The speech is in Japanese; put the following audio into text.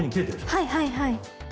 はいはいはい。